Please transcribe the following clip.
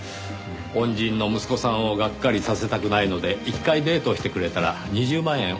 恩人の息子さんをがっかりさせたくないので１回デートしてくれたら２０万円お支払いすると。